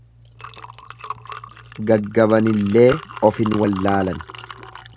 Gaggabanillee of hin wallaalan.